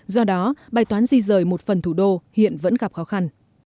do đó bài toán di rời một phần thủ đô hiện vẫn gặp khó khăn